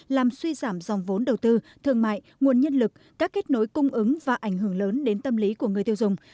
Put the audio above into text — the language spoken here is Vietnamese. làm suy giảm dòng vốn đầu tư thương mại nguồn nhân lực các kết nối cung ứng và ảnh hưởng lớn đến tâm lý của người tiêu dùng